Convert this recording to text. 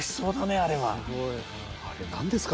あれ何ですか？